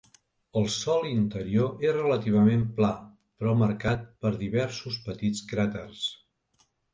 El sòl interior és relativament pla, però marcat per diversos petits cràters.